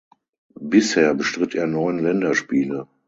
Bisher bestritt er neun Länderspiele.